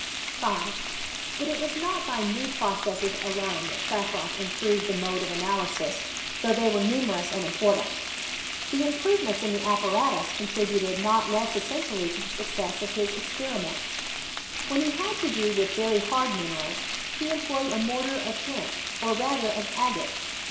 5. But it was not by new processes alone that Klaproth improved the mode of analysis^ though I I SOT HisTOtiT OF cnEMismT. diey were numerouB and important ; the imprDT& Bients in the apparatus c;ontributed not less essen tially to the SDCcesa of bis eEperiments. When he had to do with very hard minerals, he employed & mortar of flint, or rather of agate.